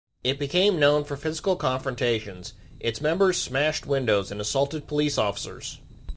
It became known for physical confrontations: its members smashed windows and assaulted police officers.